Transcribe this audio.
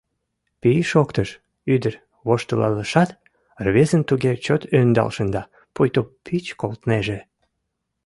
— Пий шоктыш, — ӱдыр воштылалешат, рвезым туге чот ӧндал шында, пуйто пич колтынеже.